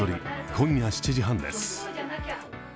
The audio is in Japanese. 今夜７時半です。